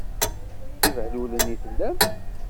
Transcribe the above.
D ibehlulen i tellam.